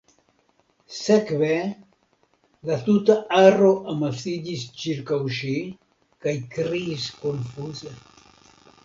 Sekve, la tuta aro amasiĝis ĉirkaŭ ŝi kaj kriis konfuze.